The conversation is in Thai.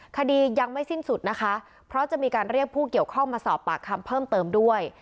คดียังไม่สิ้นสุดนะคะเพราะจะมีการเรียกผู้เกี่ยวข้องมาสอบปากคำเพิ่มเติมด้วย